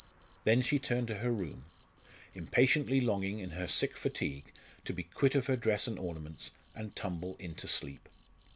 Then she turned to her room, impatiently longing in her sick fatigue to be quit of her dress and ornaments and tumble into sleep.